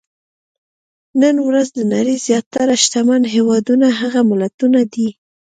نن ورځ د نړۍ زیاتره شتمن هېوادونه هغه ملتونه دي.